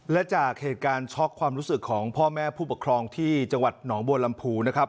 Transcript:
และจากเหตุการณ์ช็อกความรู้สึกของพ่อแม่ผู้ปกครองที่จังหวัดหนองบัวลำพูนะครับ